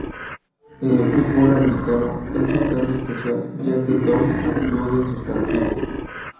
En el fútbol americano es un caso especial ya que down actúa de sustantivo.